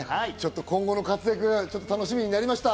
今後の活躍、楽しみになりました。